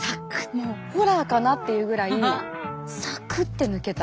もうホラーかなっていうぐらいサクッって抜けた。